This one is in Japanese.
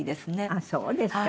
あっそうですか。